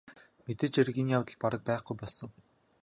Мэдээж хэрэг энэ явдал бараг байхгүй болсон.